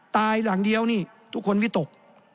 หลังเดียวนี่ทุกคนวิตก